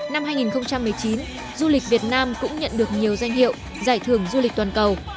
năm hai nghìn một mươi chín du lịch việt nam cũng nhận được nhiều danh hiệu giải thưởng du lịch toàn cầu